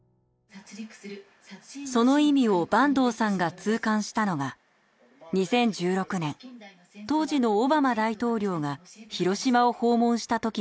その意味を坂東さんが痛感したのが２０１６年当時のオバマ大統領が広島を訪問したときのこと。